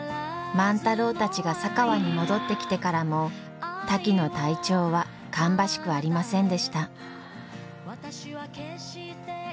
万太郎たちが佐川に戻ってきてからもタキの体調は芳しくありませんでした。